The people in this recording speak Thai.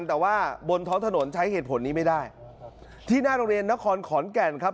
แต่ว่าบนท้องถนนใช้เหตุผลนี้ไม่ได้ที่หน้าโรงเรียนนครขอนแก่นครับ